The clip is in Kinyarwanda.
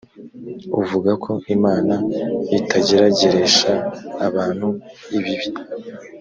uvuga ko imana itagerageresha abantu ibibi